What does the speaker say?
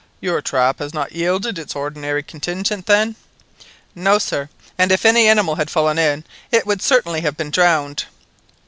"Your trap has not yielded its ordinary contingent then?" "No, sir; and if any animal had fallen in, it would certainly have been drowned!"